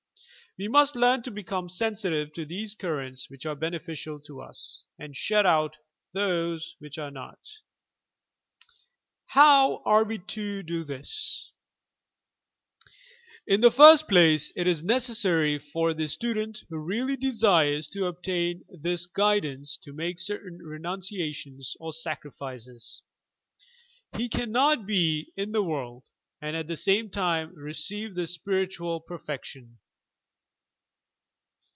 We must learn to become sensitive to those currents which are beneficial to ub, and shut out those which are not. How are we to do thist In the 6rst place it is necessary for the student who really desires to obtain this guidance to make certain renunciations or sacrifices. He cannot be "in the world," and at the same time receive this spiritual perfection.